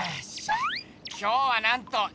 今日はなんと！